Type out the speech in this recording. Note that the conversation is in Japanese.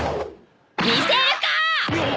見せるかッ！